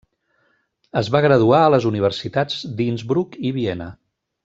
Es va graduar a les universitats d'Innsbruck i Viena.